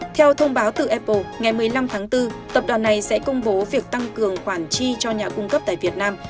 theo thông báo từ apple ngày một mươi năm tháng bốn tập đoàn này sẽ công bố việc tăng cường khoản chi cho nhà cung cấp tại việt nam